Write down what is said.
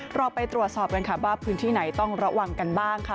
เราไปตรวจสอบกันค่ะว่าพื้นที่ไหนต้องระวังกันบ้างค่ะ